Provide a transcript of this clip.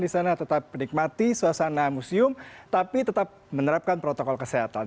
di sana tetap menikmati suasana museum tapi tetap menerapkan protokol kesehatan